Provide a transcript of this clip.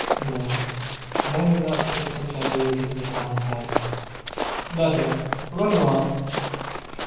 No, better not put such ideas into the child's head! "Nothing! Run along."